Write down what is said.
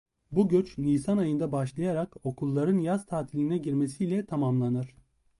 Bu göç Nisan ayında başlayarak okulların yaz tatiline girmesiyle tamamlanır.